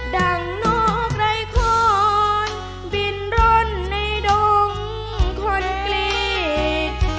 ดังหนักรายครอนบิ้นรนในดงคนกลีก